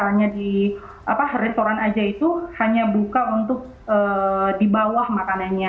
karena kerja misalnya di restoran aja itu hanya buka untuk di bawah makanannya